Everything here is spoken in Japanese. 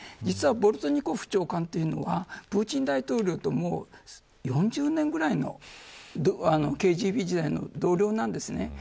実はボルトニコフ長官というのはプーチン大統領と４０年ぐらいのＫＧＢ時代の同僚なんですね。